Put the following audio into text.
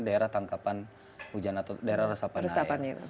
daerah tangkapan hujan atau daerah resapan air